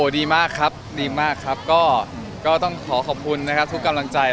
ดีมากครับก็ต้องขอขอบคุณนะครับทุกแก่กำลังใจ